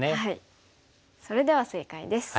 それでは正解です。